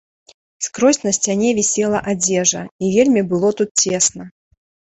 Скрозь на сцяне вісела адзежа, і вельмі было тут цесна.